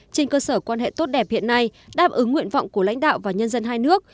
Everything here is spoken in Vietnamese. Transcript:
trên cơ sở quan hệ tốt đẹp hiện nay đáp ứng nguyện vọng của lãnh đạo và nhân dân hai nước